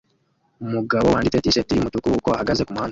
Umugabo wanditse t-shirt yumutuku uko ahagaze kumuhanda